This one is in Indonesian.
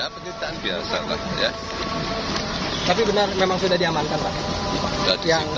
kejaksaan agung menyebabkan penyitaan di jakarta barat